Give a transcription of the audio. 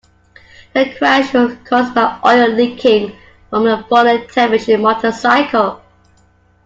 The crash was caused by oil leaking from a fallen television motorcycle.